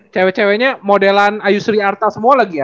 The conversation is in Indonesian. cewe cewe nya modelan ayu sri arta semua lagi ya